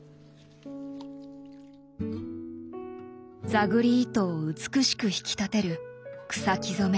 座繰り糸を美しく引き立てる草木染め。